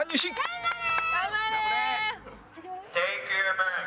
頑張れ！